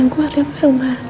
nggak ada di jakarta